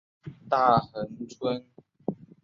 大衡村。